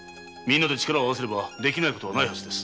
力を合わせればできないことはないはずです。